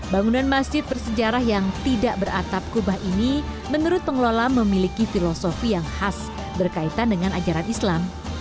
bangunan masjid bersejarah yang tidak beratap kubah ini menurut pengelola memiliki filosofi yang khas berkaitan dengan ajaran islam